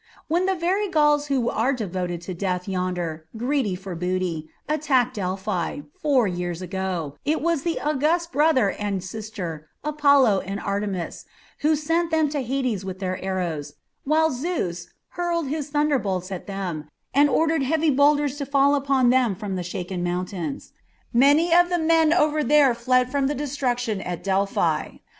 When the very Gauls who are devoted to death yonder, greedy for booty, attacked Delphi, four years ago, it was the august brother and sister, Apollo and Artemis, who sent them to Hades with their arrows, while Zeus hurled his thunderbolts at them and ordered heavy boulders to fall upon them from the shaken mountains. Many of the men over there fled from destruction at Delphi.